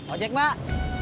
oh jack mak